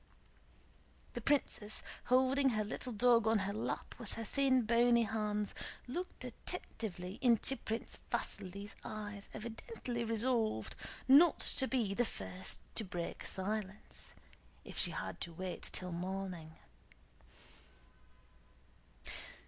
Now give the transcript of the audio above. The princess, holding her little dog on her lap with her thin bony hands, looked attentively into Prince Vasíli's eyes evidently resolved not to be the first to break silence, if she had to wait till morning.